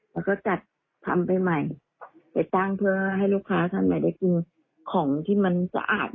แล้วก็จัดทำไปใหม่ไปตั้งเพื่อให้ลูกค้าท่านใหม่ได้กินของที่มันสะอาด